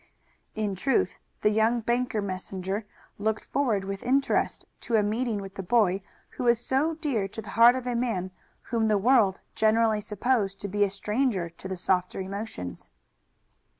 In truth, the young bank messenger looked forward with interest to a meeting with the boy who was so dear to the heart of a man whom the world generally supposed to be a stranger to the softer emotions.